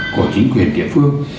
của chính quyền địa phương